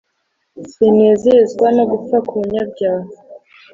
sinezezwa no gupfa kumunyabyaha